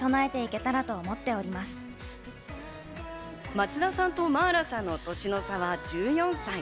松田さんと茉愛羅さんの年の差は１４歳。